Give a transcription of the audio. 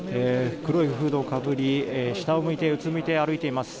黒いフードをかぶり、下を向いてうつむいて歩いています。